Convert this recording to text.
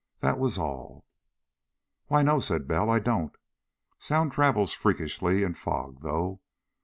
That was all. "Why, no," said Bell. "I don't. Sound travels freakishly in fog, though.